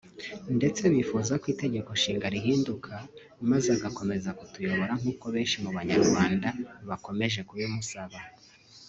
ndetse bifuza ko Itegeko Nshinga rihinduka maze agakomeza kutuyobora nkuko benshi mu banyarwanda bakomeje kubimusaba